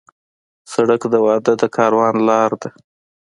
سړک د واده د کاروان لار ده.